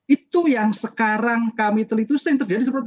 itu yang sekarang kami telitusin terjadi seperti itu